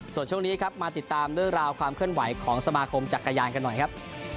ส่วนช่วงนี้ครับมาติดตามเรื่องราวความเคลื่อนไหวของสมาคมจักรยานกันหน่อยครับ